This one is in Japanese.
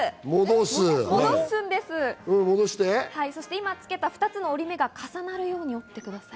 今つけた折り目が重なるように折ってください。